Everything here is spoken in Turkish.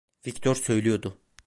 Viktor söylüyordu.